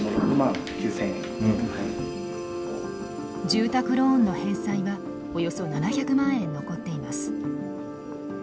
住宅ローンの返済はおよそ７００万円残っています。